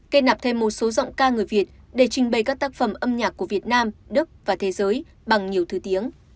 kết nạp thêm một số giọng ca người việt để trình bày các tác phẩm âm nhạc của việt nam đức và thế giới bằng nhiều thứ tiếng